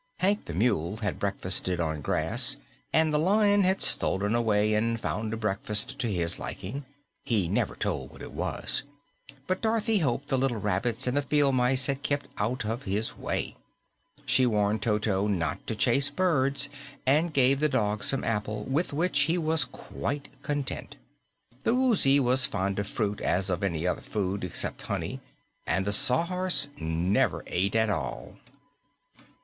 Hank the Mule had breakfasted on grass, and the Lion had stolen away and found a breakfast to his liking; he never told what it was, but Dorothy hoped the little rabbits and the field mice had kept out of his way. She warned Toto not to chase birds and gave the dog some apple, with which he was quite content. The Woozy was as fond of fruit as of any other food except honey, and the Sawhorse never ate at all.